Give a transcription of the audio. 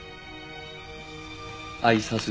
あいさつ